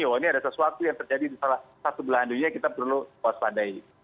oh ini ada sesuatu yang terjadi di salah satu belahan dunia kita perlu waspadai